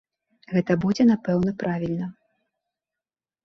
Гэта будзе, напэўна, правільна.